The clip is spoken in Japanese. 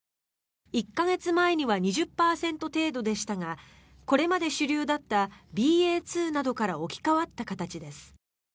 １か月前には２０％程度でしたがこれまで主流だったＢＡ．２などから置き換わった形です。